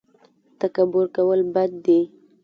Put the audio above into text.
تکبر کول بد دي